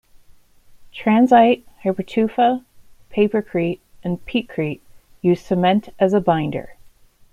Transite, hypertufa, papercrete and petecrete used cement as a binder.